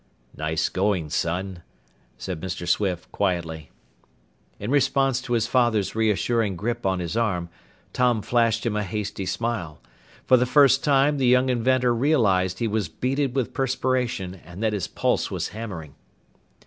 "Nice going, son," said Mr. Swift quietly. In response to his father's reassuring grip on his arm, Tom flashed him a hasty smile. For the first time, the young inventor realized he was beaded with perspiration and that his pulse was hammering.